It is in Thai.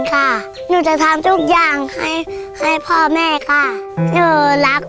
ถ้าถูกข้อนี้นะครับ